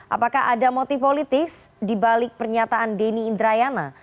apakah ada motif politis dibalik pernyataan denny indrayana